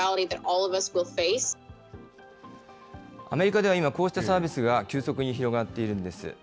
アメリカでは今、こうしたサービスが急速に広がっているんです。